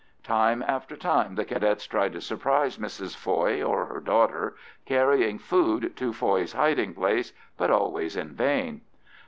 Time after time the Cadets tried to surprise Mrs Foy or her daughter carrying food to Foy's hiding place, but always in vain.